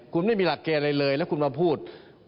คุณไม่มีหลักเกณฑ์อะไรเลยแล้วคุณมาพูด